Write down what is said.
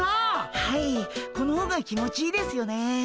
はいこの方が気持ちいいですよね。